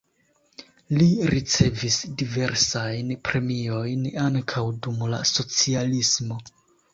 Li ricevis diversajn premiojn ankaŭ dum la socialismo.